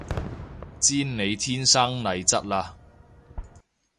知你天生麗質嘞